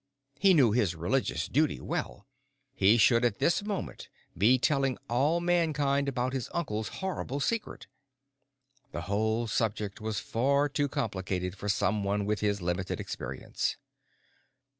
He knew his religious duty well: he should at this moment be telling all Mankind about his uncle's horrible secret. The whole subject was far too complicated for someone with his limited experience.